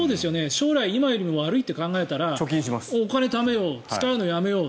将来が今よりも悪いと考えたらお金をためよう使うのをやめよう。